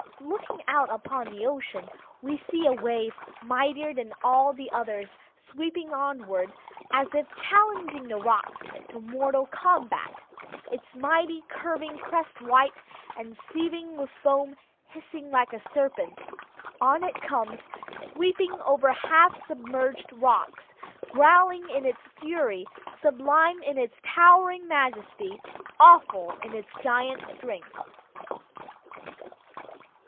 Looking out upon the ocean, we see a wave mightier than all the others sweeping onward, as if challenging the rocks to mortal combat, its mighty curving crest white and seething with foam, hissing like a serpent. On it comes, sweeping over half submerged rocks, growling in its fury, sublime in its towering majesty, awful in its giant's strength.